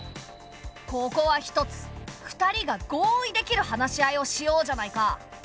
ここはひとつ２人が合意できる話し合いをしようじゃないか。